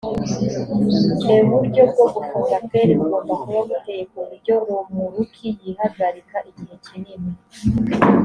euburyo bwo gufunga feri bugomba kuba buteye kuburyo romoruki yihagarika igihe kinini